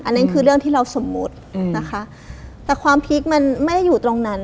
นั่นคือเรื่องที่เราสมมุตินะคะแต่ความพีคมันไม่ได้อยู่ตรงนั้น